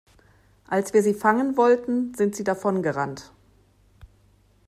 Als wir sie fangen wollten, sind sie davon gerannt.